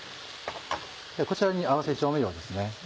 こちらに合わせ調味料ですね。